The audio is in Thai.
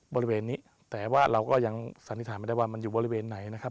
บริเวณนี้แต่ว่าเราก็ยังสันนิษฐานไม่ได้ว่ามันอยู่บริเวณไหนนะครับ